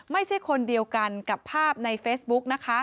ไม่ใช่คนเดียวกันกับภาพในเฟซบุ๊กนะคะ